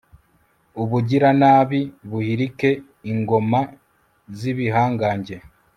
ubugiranabi buhirike ingoma z'ibihangange